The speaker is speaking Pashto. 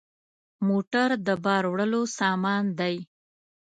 موټر د بار وړلو سامان دی.